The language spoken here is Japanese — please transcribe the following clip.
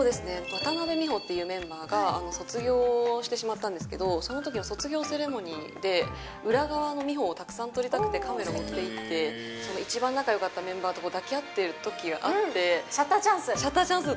渡邉美穂っていうメンバーが、卒業してしまったんですけど、そのときの卒業セレモニーで、裏側の美穂をたくさん撮りたくて、カメラ持っていって、その一番仲よかったメンバーと抱き合ってるシャッターチャンス。